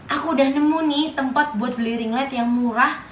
aku udah nemu nih tempat buat beli ringlet yang murah